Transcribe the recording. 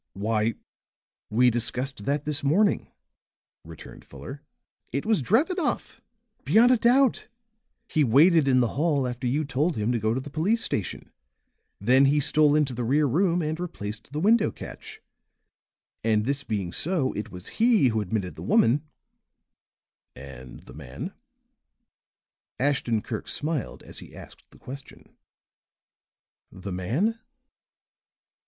"Why, we discussed that this morning," returned Fuller. "It was Drevenoff, beyond a doubt! He waited in the hall after you told him to go to the police station. Then he stole into the rear room and replaced the window catch. And this being so it was he who admitted the woman " "And the man?" Ashton Kirk smiled as he asked the question. "The man?"